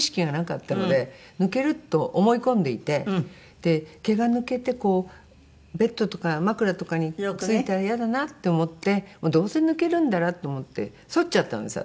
で毛が抜けてこうベッドとか枕とかに付いたらイヤだなって思ってどうせ抜けるんならと思ってそっちゃったんですよ